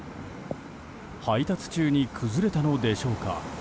配達中に崩れたのでしょうか。